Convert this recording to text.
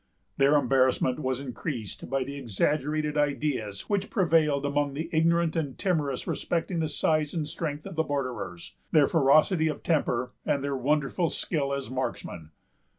Their embarrassment was increased by the exaggerated ideas which prevailed among the ignorant and timorous respecting the size and strength of the borderers, their ferocity of temper, and their wonderful skill as marksmen.